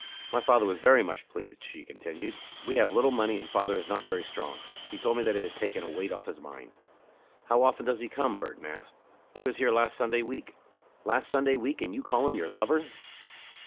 "My father was very much pleased," she continued. "We have little money and father is not very strong. He told me that it had taken a weight off his mind." "How often does he come?" Burton asked. "He was here last Sunday week." "Last Sunday week! And you call him your lover!"